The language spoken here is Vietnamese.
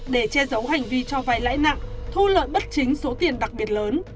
để che giấu hành vi cho vay lãi nặng thu lợi bất chính số tiền đặc biệt lớn